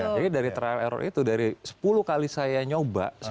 jadi dari trial error itu dari sepuluh kali saya nyoba